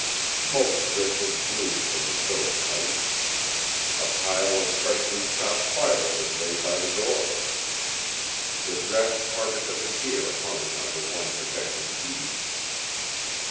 Smoke drifted blue from the stovepipe. A pile of freshly chopped firewood lay by the door. The dressed carcass of a deer hung under one projecting eave.